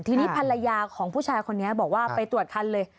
ทีนี้ภรรยาของผู้ชายคนนี้บอกว่าไปตรวจคันเลย